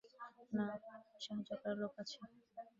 না, সাহায্য করার লোক আছে।